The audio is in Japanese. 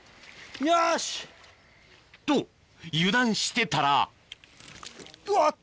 よし！と油断してたらうわ！